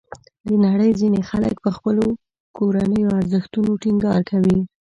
د نړۍ ځینې خلک په خپلو کورنیو ارزښتونو ټینګار کوي.